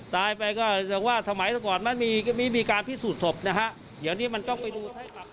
ตายไปก็แต่ว่าสมัยก่อนมันมีไม่มีการพิสูจน์ศพนะฮะเดี๋ยวนี้มันต้องไปดู